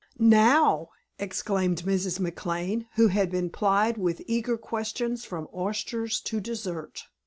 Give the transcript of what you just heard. "Now!" exclaimed Mrs. McLane, who had been plied with eager questions from oysters to dessert.